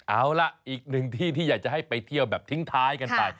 เอาล่ะอีกหนึ่งที่ที่อยากจะให้ไปเที่ยวแบบทิ้งท้ายกันไป